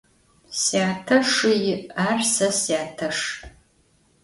Syate şşı yi', ar se syateşş.